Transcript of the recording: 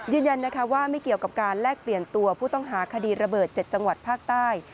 ยืนยันนะคะว่าไม่เกี่ยวกับการแลกเปลี่ยนตัวผู้ต้องหาคดีระเบิด๗จังหวัดภาคใต้